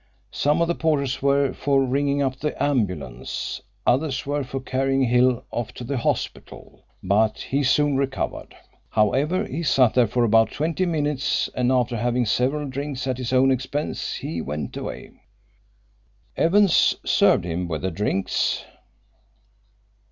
Some of the porters were for ringing up the ambulance; others were for carrying Hill off to the hospital, but he soon recovered. However, he sat there for about twenty minutes, and after having several drinks at his own expense he went away. Evans served him with the drinks."